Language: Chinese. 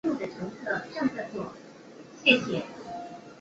索头部各酋长在这次政变中死亡者有数十人之多。